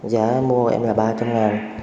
giá mua em là ba trăm linh ngàn